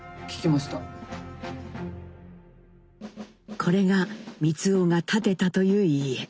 これが光男が建てたという家。